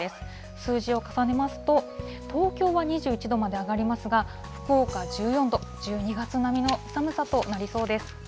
数字を重ねますと、東京は２１度まで上がりますが、福岡１４度、１２月並みの寒さとなりそうです。